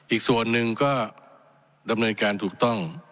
อีกส่วนหนึ่งก็